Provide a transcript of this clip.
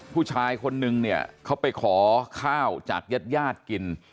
ผู้ชายคนหนึ่งเขาไปขอข้าวจัดแยธญาติกิน